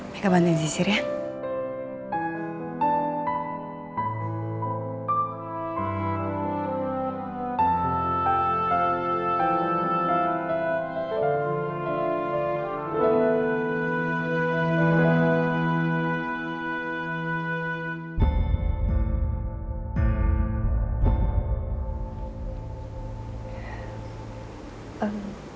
minta bantuin nyisir ya